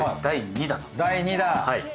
第２弾。